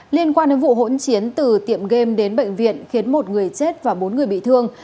liên quan đến vụ hỗn chiến từ tiệm game đến bệnh viện khiến một người chết và bốn người bị thương